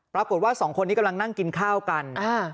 ปรากฏว่าสองคนนี้กำลังนั่งกินข้าวกัน